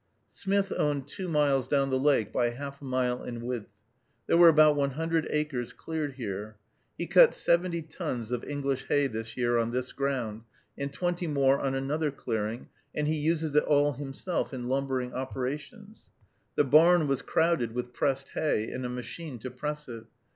Smith owned two miles down the lake by half a mile in width. There were about one hundred acres cleared here. He cut seventy tons of English hay this year on this ground, and twenty more on another clearing, and he uses it all himself in lumbering operations. The barn was crowded with pressed hay, and a machine to press it.